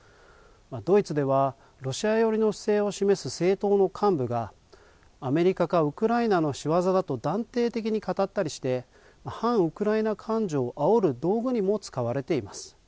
ドイツではロシア寄りの姿勢を示す政党の幹部が、アメリカかウクライナの仕業だと断定的に語ったりして、反ウクライナ感情をあおる道具にも使われています。